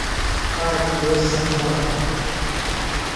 آک دیس سخت باݜ دِتوۡ۔